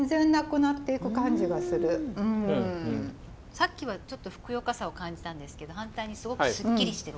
さっきはちょっとふくよかさを感じたんですけど反対にすごくすっきりしてる。